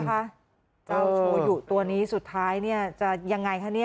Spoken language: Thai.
เจ้าโชว์อยู่ตัวนี้สุดท้ายเนี่ยจะไม่ไงะเนี่ย